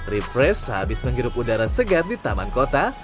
refresh habis menghirup udara segar di taman kota